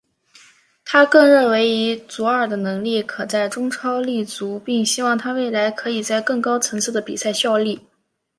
他更认为以祖尔的能力可在中超立足并希望他未来可以在更高层次的比赛效力。